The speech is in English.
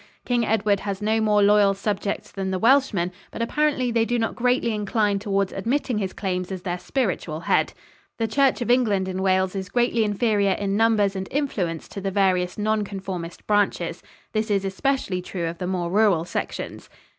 King Edward has no more loyal subjects than the Welshmen, but apparently they do not greatly incline towards admitting his claims as their spiritual head. The Church of England in Wales is greatly inferior in numbers and influence to the various nonconformist branches. This is especially true of the more rural sections.